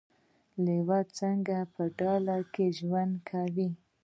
لیوه څنګه په ډله کې ژوند کوي؟